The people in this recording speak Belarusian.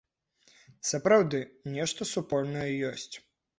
Сапраўды, нешта супольнае ёсць.